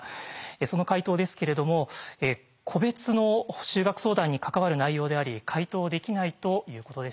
その回答ですけれども「個別の就学相談に関わる内容であり回答できない」ということでした。